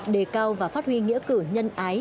đề cao và phát huy nghĩa cử nhân ái